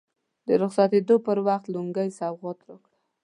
د رخصتېدو پر وخت لونګۍ سوغات راکړه.